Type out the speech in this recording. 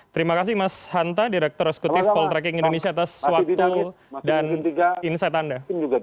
terima kasih mas hanta direktur eksekutif poltreking indonesia atas waktu dan insight anda